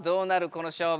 この勝負。